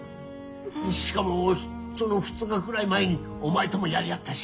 しかもその２日くらい前にお前ともやり合ったし。